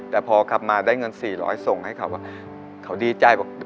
แต่พอกลับมาได้เงินสี่ร้อยส่งให้เขาว่าเขาดีใจว่า